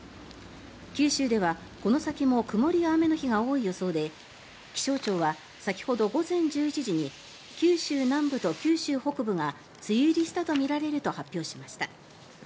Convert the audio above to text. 九州では、この先も曇りや雨の日が多い予想で気象庁は先ほど午前１１時に九州南部と九州北部が梅雨入りしたとみられると発表しました。